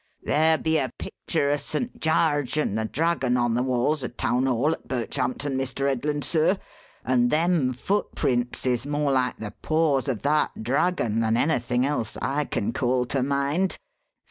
Theer be a picture o' St. Jarge and the Dragon on the walls o' Town Hall at Birchampton, Mr. Headland, sir, and them footprints is more like the paws of that dragon than anything else I can call to mind.